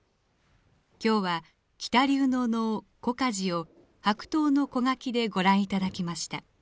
今日は喜多流の能「小鍛冶」を「白頭」の小書でご覧いただきました。